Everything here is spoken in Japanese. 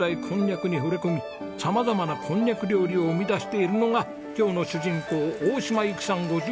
こんにゃくに惚れ込み様々なこんにゃく料理を生み出しているのが今日の主人公大島由紀さん